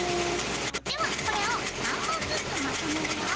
ではこれを３本ずつまとめるよ。